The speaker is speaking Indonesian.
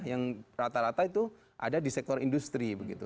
yang rata rata itu ada di sektor industri begitu